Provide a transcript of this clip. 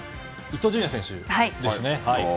伊東純也選手です。